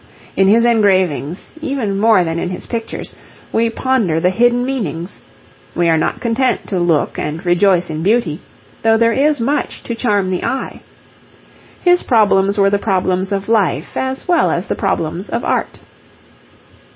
In his engravings, even more than in his pictures, we ponder the hidden meanings; we are not content to look and rejoice in beauty, though there is much to charm the eye. His problems were the problems of life as well as the problems of art.